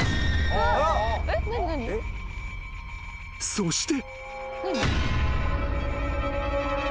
［そして］